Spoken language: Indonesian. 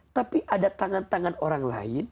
tapi ada tangan tangan orang lain